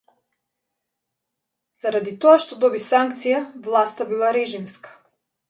Заради тоа што доби санкција, власта била режимска